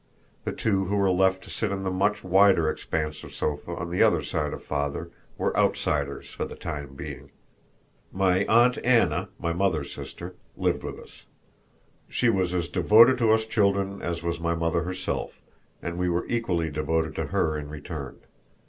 The two who were left to sit on the much wider expanse of sofa on the other side of father were outsiders for the time being. My aunt Anna, my mother's sister, lived with us. She was as devoted to us children as was my mother herself, and we were equally devoted to her in return.